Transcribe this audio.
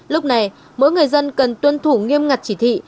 lúc này mỗi người dân cần tuân thủ nghiêm ngặt chỉ thị